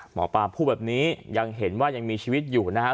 หมอปลาพูดแบบนี้ยังเห็นว่ายังมีชีวิตอยู่นะครับ